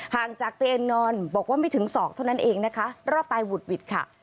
ห่างจากเตียงนอนบอกว่าไม่ถึง๒เท่านั้นเองนะคะรอบตายวุดค่ะ